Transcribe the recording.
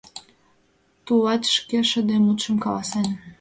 Тулат шке шыде мутшым каласен.